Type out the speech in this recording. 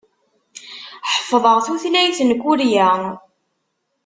Ḥeffḍeɣ tutlayt n Kurya.